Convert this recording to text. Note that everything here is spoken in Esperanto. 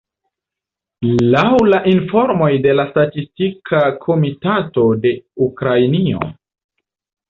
Laŭ la informoj de la statistika komitato de Ukrainio.